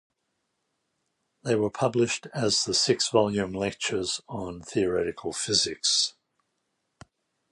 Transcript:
They were published as the six-volume "Lectures on Theoretical Physics".